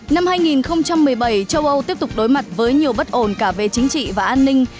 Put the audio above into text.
năm hai nghìn một mươi bảy châu âu tiếp tục đối mặt với nhiều bất ổn cả về chính trị và an ninh